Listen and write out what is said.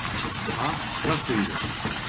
Па, зашто иде?